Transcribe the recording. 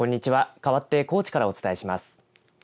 かわって高知からお伝えします。